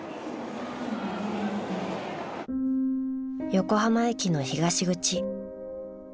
［横浜駅の東口］